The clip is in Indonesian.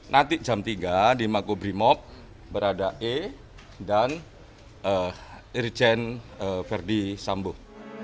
nanti jam tiga di makobrimob berada e dan irjen verdi sambo